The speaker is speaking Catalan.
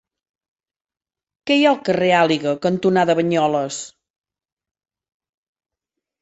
Què hi ha al carrer Àliga cantonada Banyoles?